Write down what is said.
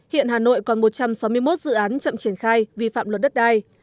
hiện hà nội còn một trăm sáu mươi một dự án chậm triển khai vi phạm luật đất đai